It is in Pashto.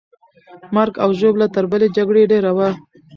مرګ او ژوبله تر بلې جګړې ډېره وه.